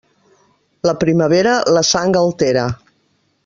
La primavera la sang altera.